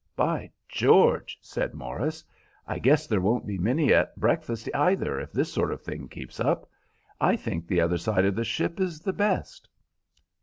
"By George!" said Morris. "I guess there won't be many at breakfast either, if this sort of thing keeps up. I think the other side of the ship is the best."